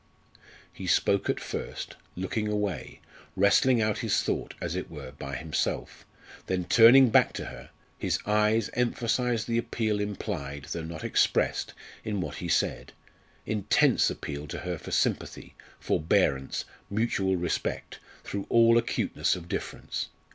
He spoke at first, looking away wrestling out his thought, as it were, by himself then turning back to her, his eyes emphasised the appeal implied, though not expressed, in what he said intense appeal to her for sympathy, forbearance, mutual respect, through all acuteness of difference.